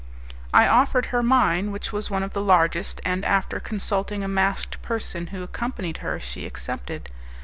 I offered her mine, which was one of the largest, and, after consulting a masked person who accompanied her, she accepted.